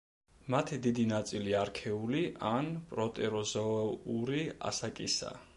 მათი დიდი ნაწილი არქეული ან პროტეროზოური ასაკისაა.